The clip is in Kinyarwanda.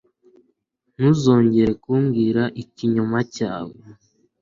Ntuzongere kumbwira ikinyoma cyawe.